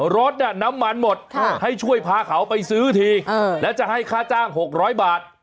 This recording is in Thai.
รถน้ำมันหมดให้ช่วยพาเขาไปซื้อทีแล้วจะให้ค่าจ้าง๖๐๐บาท